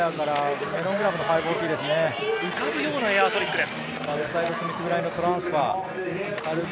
浮かぶようなトリックです。